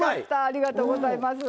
ありがとうございます。